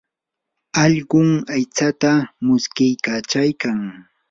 allqum aytsata muskiykachaykan.